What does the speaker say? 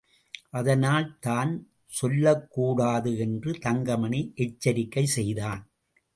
அதனால் தான் சொல்லக்கூடாது என்று தங்கமணி எச்சரிக்கை செய்தான்.